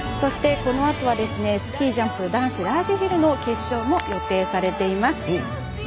このあとはスキー・ジャンプ男子ラージヒルの決勝も予定されています。